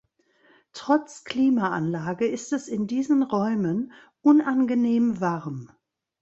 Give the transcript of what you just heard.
Trotz Klimaanlage ist es in diesen Räumen unangenehm warm.